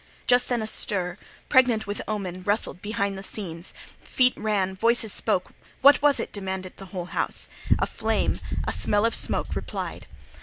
— Just then a stir, pregnant with omen, rustled behind the scenes—feet ran, voices spoke. What was it? demanded the whole house. A flame, a smell of smoke replied.